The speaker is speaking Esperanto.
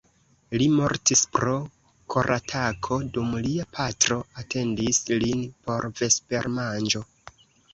Li mortis pro koratako dum lia patro atendis lin por vespermanĝo.